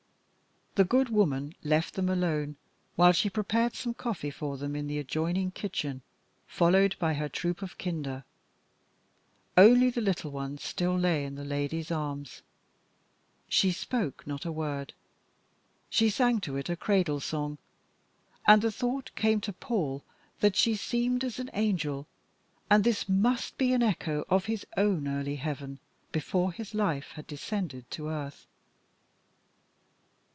The good woman left them alone while she prepared some coffee for them in the adjoining kitchen, followed by her troop of kinder. Only the little one still lay in the lady's arms. She spoke not a word she sang to it a cradle song, and the thought came to Paul that she seemed as an angel, and this must be an echo of his own early heaven before his life had descended to earth.